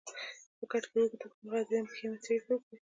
په کټ کې اوږد اوږد وغځېدم، پښې مې څړیکه وکړې.